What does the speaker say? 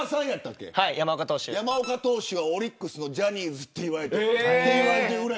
山岡投手はオリックスのジャニーズといわれています。